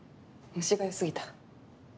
虫が良すぎた。